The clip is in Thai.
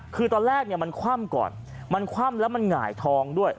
คือตอนแรกเนี่ยมันคว่ำก่อนมันคว่ำแล้วมันหงายท้องด้วย